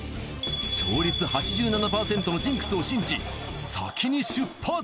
勝率８７％のジンクスを信じ先に出発。